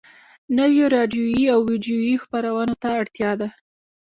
نويو راډيويي او ويډيويي خپرونو ته اړتيا ده.